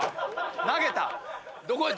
投げた。